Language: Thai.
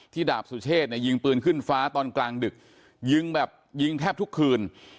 ดาบสุเชษเนี่ยยิงปืนขึ้นฟ้าตอนกลางดึกยิงแบบยิงแทบทุกคืน